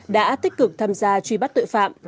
đã tích cực tham gia truy bắt tội phạm